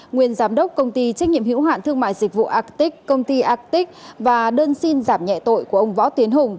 nguyên giám đốc công ty trách nhiệm hữu hạn thương mại dịch vụ actic công ty acoic và đơn xin giảm nhẹ tội của ông võ tiến hùng